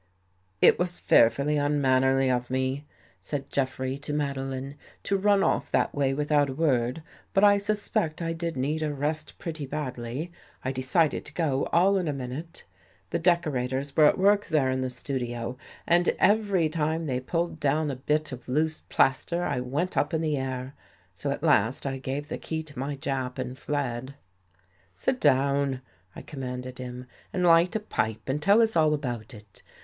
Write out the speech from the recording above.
" It was fearfully unmannerly of me," said Jeff rey to Madeline, "to run off that way without a word, but I suspect I did need a rest pretty badly. I decided to go all in a minute. The decorators were at work there in the studio and every time they 3 THE GHOST GIRL pulled down a bit of loose plaster, I went up in the air. So at last I gave the key to my Jap and fled." " Sit down," I commanded him, " and light a pipe, and tell us all about it.